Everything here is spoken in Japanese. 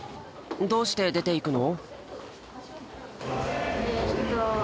どうして出ていくの？